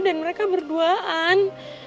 dan mereka berduaan